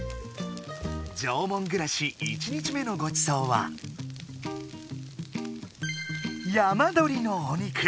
縄文ぐらし１日目のごちそうはヤマドリのお肉。